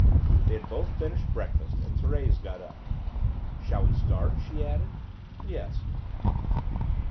They had both finished breakfast, and Thérèse got up. "Shall we start?" she asked. "Yes."